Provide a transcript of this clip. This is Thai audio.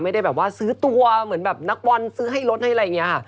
ไม่ได้แบบว่าซื้อตัวเหมือนแบบนักบอลซื้อให้รถให้อะไรอย่างนี้ค่ะ